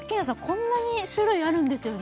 こんなに種類あるんですよ